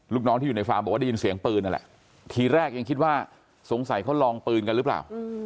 ลูกน้องที่อยู่ในฟาร์มบอกว่าได้ยินเสียงปืนนั่นแหละทีแรกยังคิดว่าสงสัยเขาลองปืนกันหรือเปล่า